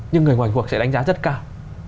nhưng người ngoài cuộc sẽ đánh giá rất cao